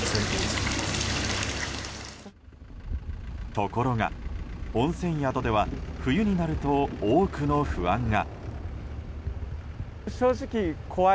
ところが、温泉宿では冬になると多くの不安が。